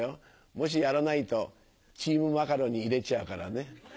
もしやらないとチームマカロンに入れちゃうからね。